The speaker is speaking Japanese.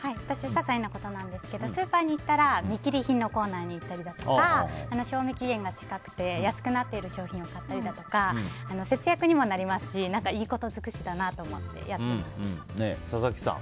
私、ささいなことなんですがスーパーに行ったら見切り品のコーナーに行ったりだとか賞味期限が近くて安くなっている商品を買ったりだとか節約にもなりますしいいこと尽くしだなと思ってやってます。